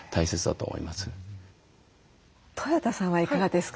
とよたさんはいかがですか？